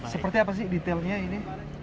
seperti apa sih detailnya ini